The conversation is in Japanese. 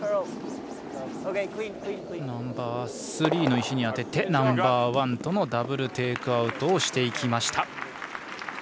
ナンバースリーの石に当ててナンバーワンとのダブル・テイクアウトをしていきました。